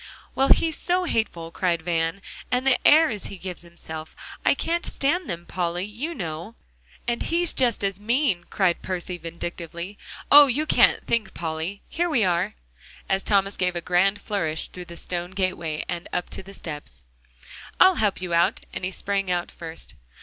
"Well, he's so hateful," cried Van, "and the airs he gives himself! I can't stand them, Polly, you know" "And he's just as mean," cried Percy vindictively. "Oh! you can't think, Polly. Here we are," as Thomas gave a grand flourish through the stone gateway, and up to the steps. "I'll help you out," and he sprang out first.